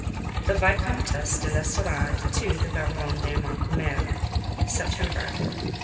THE VICOMTESSE DE L'ESTORADE TO THE BARONNE DE MACUMER September.